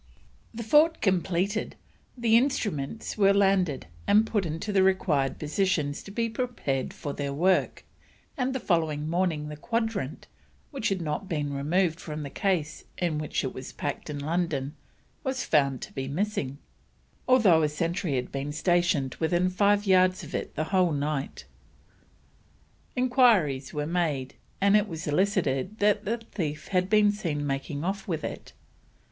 The fort completed, the instruments were landed and put into the required positions to be prepared for their work, and the following morning the quadrant, which had not been removed from the case in which it was packed in London, was found to be missing, although a sentry had been stationed within five yards of it the whole night. Enquiries were made, and it was elicited that the thief had been seen making off with it.